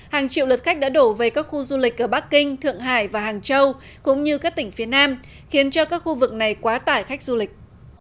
hàng triệu lượt khách đã đổ về các khu du lịch ở bắc kinh thượng hải và hàng châu cũng như các tỉnh phía nam khiến cho các khu vực này quá tải khách du lịch